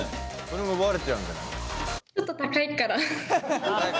それも奪われちゃうんじゃない？